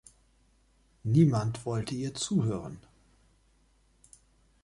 Niemand wollte ihr zuhören.